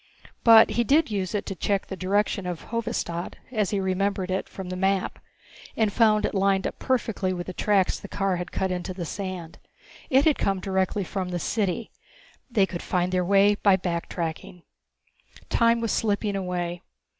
But he did use it to check the direction of Hovedstad, as he remembered it from the map, and found it lined up perfectly with the tracks the car had cut into the sand. It had come directly from the city. They could find their way by back tracking. Time was slipping away.